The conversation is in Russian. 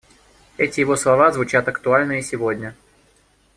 Эти его слова звучат актуально и сегодня.